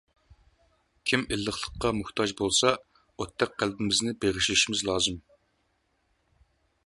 كىم ئىللىقلىققا موھتاج بولسا، ئوتتەك قەلبىمىزنى بېغىشلىشىمىز لازىم.